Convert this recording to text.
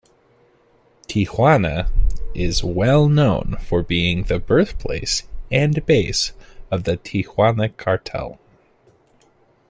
Tijuana is well known for being the birthplace and base of the Tijuana Cartel.